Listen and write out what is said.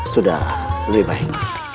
sudah lebih baik